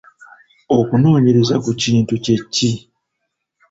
Okunoonyereza ku kintu kye ki?